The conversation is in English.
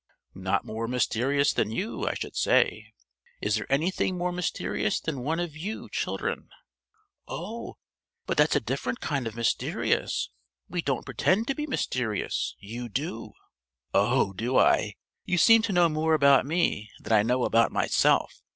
"Not more mysterious than you, I should say. Is there anything more mysterious than one of you children?" "Oh, but that's a different kind of mysterious: we don't pretend to be mysterious: you do!" "Oh, do I! You seem to know more about me than I know about myself.